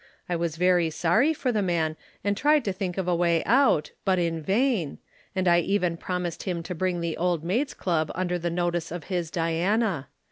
I was very sorry for the man and tried to think of a way out, but in vain, and I even promised him to bring the Old Maids' Club under the notice of his Diana.